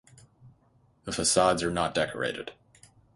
The facades are not decorated.